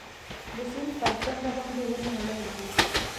د سیند پر څنډه باندې ونې ولاړې وې.